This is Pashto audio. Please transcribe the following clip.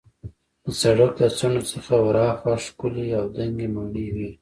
د سړک له څنډو څخه ورهاخوا ښکلې او دنګې ماڼۍ وې.